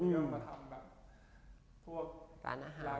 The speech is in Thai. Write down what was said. เพื่อมาทำแบบพวกร้านอาหารต่าง